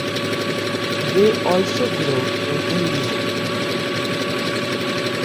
They also grow in India.